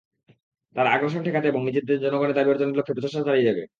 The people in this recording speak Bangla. তারা আগ্রাসন ঠেকাতে এবং নিজেদের জনগণের দাবি অর্জনের লক্ষ্যে প্রচেষ্টা চালিয়ে যাবে।